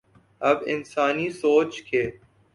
اب انسانی سوچ کے